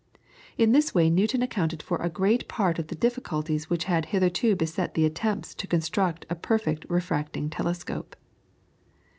In this way Newton accounted for a great part of the difficulties which had hitherto beset the attempts to construct a perfect refracting telescope.